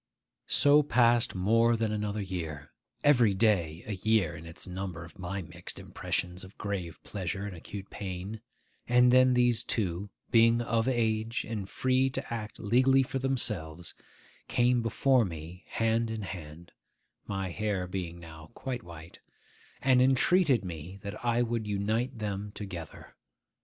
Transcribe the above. So passed more than another year; every day a year in its number of my mixed impressions of grave pleasure and acute pain; and then these two, being of age and free to act legally for themselves, came before me hand in hand (my hair being now quite white), and entreated me that I would unite them together.